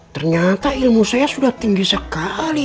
ternyata ilmu saya sudah tinggi sekali